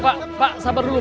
pak pak pak